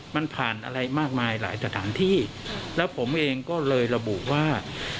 มันผ่านอะไรมากมายหลายสถานที่แล้วผมเองก็เลยระบุว่า